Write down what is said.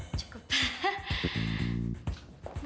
tadi aku tanda tangan apa